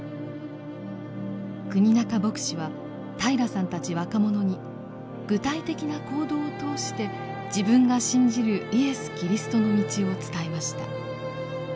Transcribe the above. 国仲牧師は平良さんたち若者に具体的な行動を通して自分が信じるイエス・キリストの道を伝えました。